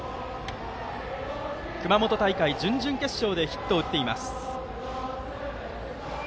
熊本大会準々決勝でヒットを打っています。